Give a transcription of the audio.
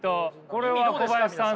これは小林さん